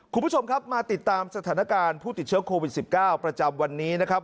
คุณผู้ชมครับมาติดตามสถานการณ์ผู้ติดเชื้อโควิด๑๙ประจำวันนี้นะครับ